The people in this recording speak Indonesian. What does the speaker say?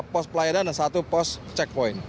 pos pelayanan dan satu pos checkpoint